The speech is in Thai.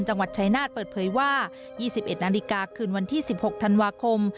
จังหวัดชายนาฏเปิดเผยว่า๒๑นาฬิกาคืนวันที่๑๖ธันวาคม